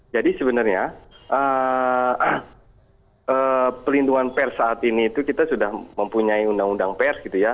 jadi sebenarnya pelindungan pers saat ini itu kita sudah mempunyai undang undang pers gitu ya